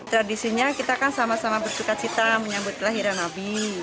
tradisinya kita kan sama sama bersuka cita menyambut kelahiran nabi